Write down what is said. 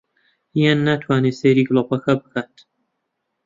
یان ناتوانێ سەیری گڵۆپەکە بکات